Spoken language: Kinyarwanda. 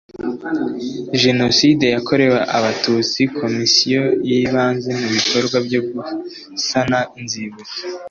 jenoside yakorewe abatutsi komisiyo yibanze mu bikorwa byo gusana inzibutso